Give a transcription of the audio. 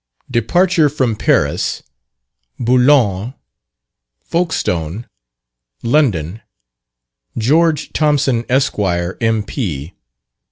_Departure from Paris Boulogne Folkstone London Geo. Thompson, Esq., M.P.